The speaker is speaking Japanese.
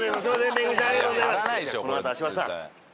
恵さんありがとうございます。